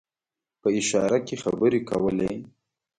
په اشاره کې خبرې کولې.